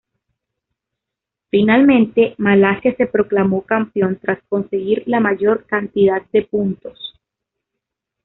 Finalmente, Malasia se proclamó campeón tras conseguir la mayor cantidad de puntos.